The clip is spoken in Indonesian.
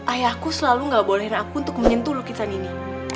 ayahku selalu gak bolehin aku untuk menyentuh lukisan ini